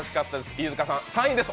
飯塚さん、３位です。